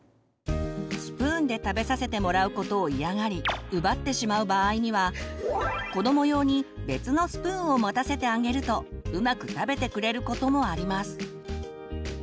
スプーンで食べさせてもらうことを嫌がり奪ってしまう場合には子ども用に別のスプーンを持たせてあげるとうまく食べてくれることもあります。